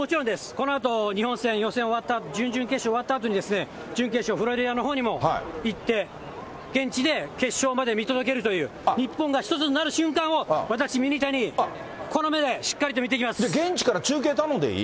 このあと日本戦、予選終わったあと、準々決勝終わったあと、準決勝、フロリダのほうにも行って、現地で決勝まで見届けるという、日本が一つになる瞬間を、私ミニタニ、この目で、しっかりと見てきます。